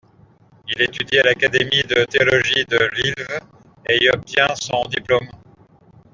Il étudie à l'Académie de théologie de Lviv et y obtient son diplôme.